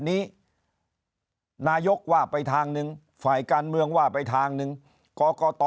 นี้นายกว่าไปทางหนึ่งฝ่ายการเมืองว่าไปทางหนึ่งกกต